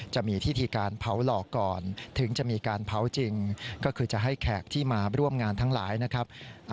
จะมีพิธีการเผาหลอกก่อนถึงจะมีการเผาจริงก็คือจะให้แขกที่มาร่วมงานทั้งหลายนะครับ